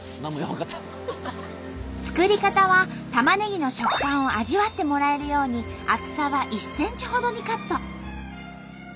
作り方はたまねぎの食感を味わってもらえるように厚さは１ｃｍほどにカット。